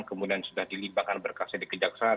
kemudian sudah dilibatkan berkasih dikejaksaan